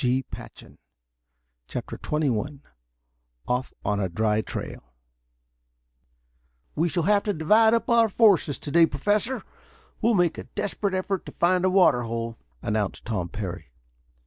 Put him out!" CHAPTER XXI OFF ON A DRY TRAIL "We shall have to divide up our forces to day, Professor. We'll make a desperate effort to find a water hole," announced Tom Parry.